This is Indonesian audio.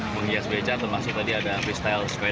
menghias beca termasuk tadi ada freestyle space